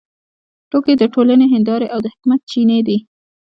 ټوکې د ټولنې هندارې او د حکمت چینې دي.